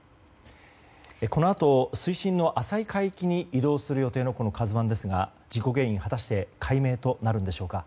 このあと水深の浅い海域に移動する予定のこの「ＫＡＺＵ１」ですが事故原因は果たして解明となるのでしょうか。